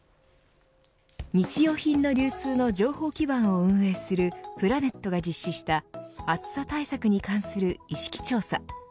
日用品の流通の情報基盤を運営するプラネットが実施した暑さ対策に関する意識調査。